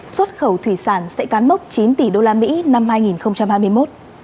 xuất khẩu thủy sản sẽ cán mốc chín tỷ đô la mỹ năm hai nghìn hai mươi một